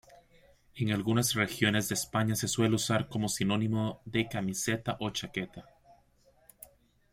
En algunas regiones de España se suele usar como sinónimo de camiseta o chaqueta.